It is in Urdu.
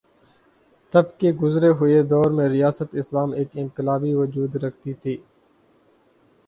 تب کے گزرے ہوئے دور میں ریاست اسلام ایک انقلابی وجود رکھتی تھی۔